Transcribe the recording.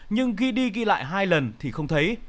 nhưng khi đi ghi lại hai lần thì không thấy